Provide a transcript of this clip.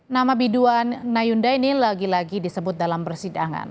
nama biduan nayunda ini lagi lagi disebut dalam persidangan